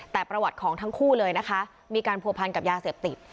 แต่ประวัติของทั้งคู่เลยนะคะมีการผัวพันกับยาเสพติด